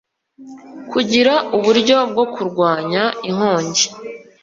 kugira uburyo bwo kurwanya inkongi